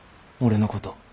俺のこと。